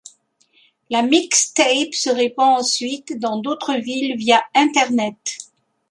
La mixtape se répand ensuite dans d'autres villes via Internet.